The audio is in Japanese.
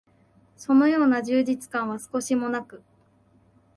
そのような充実感は少しも無く、